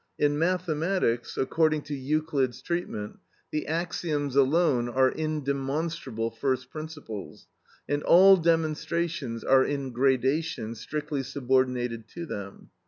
In mathematics, according to Euclid's treatment, the axioms alone are indemonstrable first principles, and all demonstrations are in gradation strictly subordinated to them.